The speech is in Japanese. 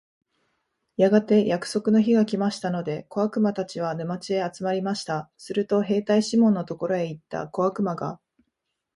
やがて約束の日が来ましたので、小悪魔たちは、沼地へ集まりました。すると兵隊シモンのところへ行った小悪魔が、